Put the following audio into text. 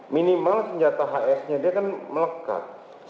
minimal senjata hsnya dia kan melekat